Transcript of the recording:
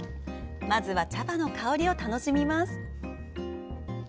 まずは茶葉の香りを楽しみます。